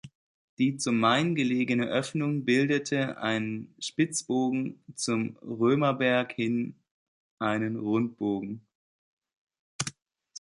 Die zum Main gelegene Öffnung bildete einen Spitzbogen, zum Römerberg hin einen Rundbogen.